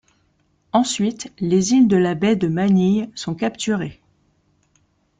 Ensuite, les îles de la baie de Manille sont capturées.